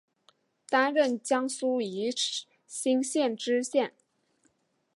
担任江苏宜兴县知县。